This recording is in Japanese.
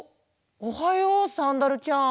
おはようサンダルちゃん。